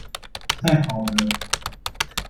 太好惹